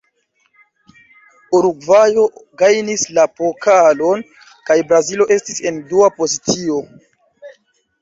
Urugvajo gajnis la pokalon, kaj Brazilo estis en dua pozicio.